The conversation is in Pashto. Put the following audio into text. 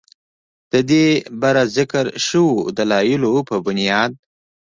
ددې بره ذکر شوو دلايلو پۀ بنياد